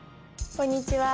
こんにちは。